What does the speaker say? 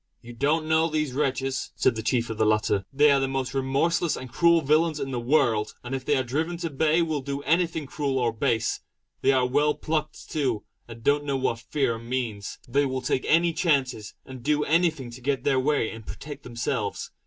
"You don't know these wretches," said the chief of the latter "They are the most remorseless and cruel villains in the world; and if they are driven to bay will do anything however cruel or base. They are well plucked too, and don't know what fear means. They will take any chances, and do anything to get their way and protect themselves.